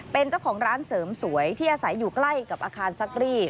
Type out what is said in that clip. เป็นเจ้าของร้านเสริมสวยที่อาศัยอยู่ใกล้กับอาคารซักรีด